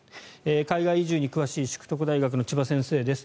海外移住に詳しい淑徳大学の千葉先生です。